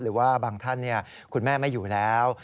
หรือว่าบางท่านคุณแม่ไม่อยู่แล้ว